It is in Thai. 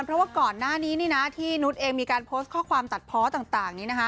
เพราะว่าก่อนหน้านี้ที่นุ๊ตเองมีการโพสต์ข้อความจัดเพาะต่าง